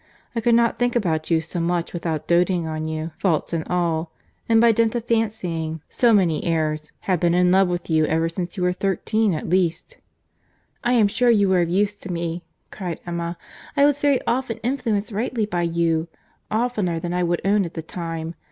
I could not think about you so much without doating on you, faults and all; and by dint of fancying so many errors, have been in love with you ever since you were thirteen at least." "I am sure you were of use to me," cried Emma. "I was very often influenced rightly by you—oftener than I would own at the time.